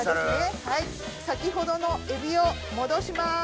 先ほどのエビを戻します。